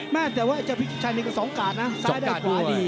แม่แต่ว่าจะพิะชิจชัยไม่ค่อนการณ์ซ้ายได้ซ้องกาดดี